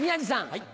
はい。